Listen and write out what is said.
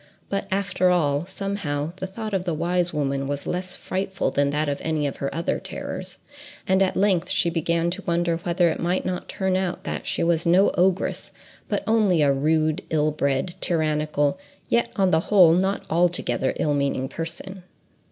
But after all, somehow, the thought of the wise woman was less frightful than that of any of her other terrors, and at length she began to wonder whether it might not turn out that she was no ogress, but only a rude, ill bred, tyrannical, yet on the whole not altogether ill meaning person.